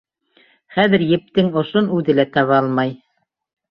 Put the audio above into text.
Хәҙер ептең осон үҙе лә таба алмай.